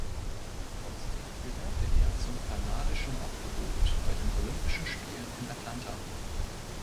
Trotzdem gehörte er zum kanadischen Aufgebot bei den Olympischen Spielen in Atlanta.